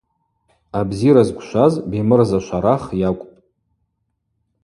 Абзира зквшваз Бемырза Шварах йакӏвпӏ.